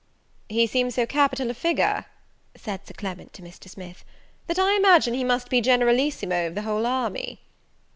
"He seems so capital a figure," said Sir Clement, to Mr. Smith, "that I imagine he must be Generalissimo of the whole army."